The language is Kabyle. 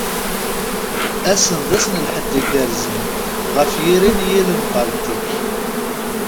Ass-en d ass n lḥedd igerrzen ɣef yiri n yill n Baltik.